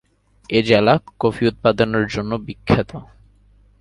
এ-জেলা coffee উৎপাদনের জন্য বিখ্যাত।